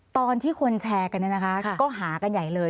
ตอนที่คนแชร์กันก็หากันใหญ่เลย